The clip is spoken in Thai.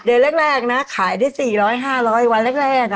เดือนแรกนะขายได้๔๐๐๕๐๐วันแรก